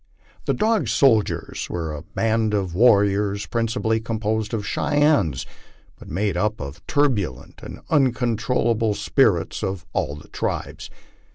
The Dog Soldiers " were a hand of warriors principally composed of Cheyennes, hut made up of the turbulent and uncontrollable spirits of all the tribes.